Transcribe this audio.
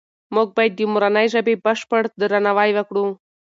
موږ باید د مورنۍ ژبې بشپړ درناوی وکړو.